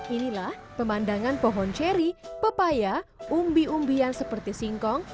inilah pemandangan pohon ceri pepaya umbi umbian seperti singkong